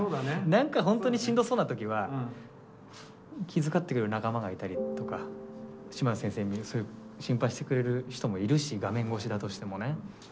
何か本当にしんどそうな時は気遣ってくれる仲間がいたりとか嶋津先生そういう心配してくれる人もいるし画面越しだとしてもね。